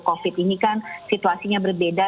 covid ini kan situasinya berbeda